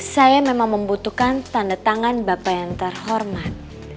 saya memang membutuhkan tanda tangan bapak yang terhormat